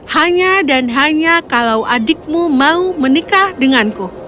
hanya dan hanya kalau adikmu mau menikah denganku